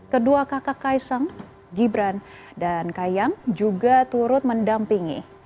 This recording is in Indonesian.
kedua kakak kaisang gibran dan kayang juga turut mendampingi